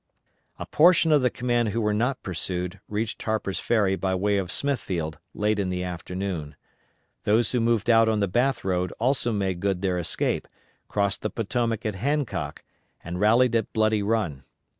A portion of the command who were not pursued reached Harper's Ferry by way of Smithfield late in the afternoon. Those who moved out on the Bath road also made good their escape, crossed the Potomac at Hancock, and rallied at Bloody Run.